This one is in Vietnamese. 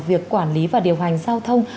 việc quản lý và điều hành giao thông